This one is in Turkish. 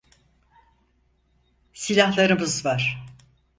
Silahlarımız var.